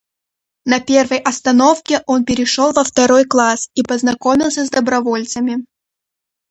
На первой остановке он перешел во второй класс и познакомился с добровольцами.